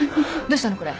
どうしたのこれ？